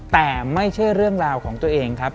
แต่ไม่ใช่เรื่องราวของตัวเองครับ